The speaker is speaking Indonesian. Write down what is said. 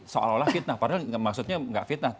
seolah olah fitnah padahal maksudnya nggak fitnah